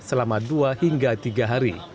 selama dua hingga tiga hari